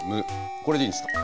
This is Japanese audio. これでいいんですか？